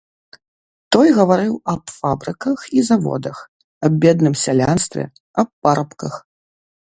Той гаварыў аб фабрыках і заводах, аб бедным сялянстве, аб парабках.